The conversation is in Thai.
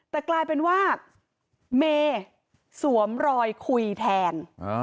แต่กลายเป็นว่าเมย์สวมรอยคุยแทน